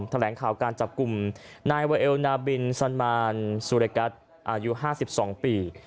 แถลงข่าวการจับกลุ่มนายเวลนาบิลสันมารสุริกัตรอายุ๕๒ปี